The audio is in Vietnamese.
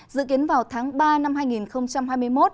dự kiến vào tháng ba năm hai nghìn hai mươi một